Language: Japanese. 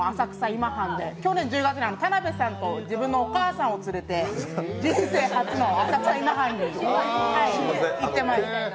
今半で去年１０月に田辺さんと自分のお母さんを連れて、人生初の浅草今半で行ってまいりました。